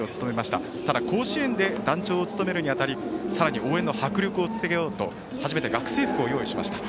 ただ甲子園で団長を務めるに当たりさらに応援の迫力をつけようと初めて学生服を着けました。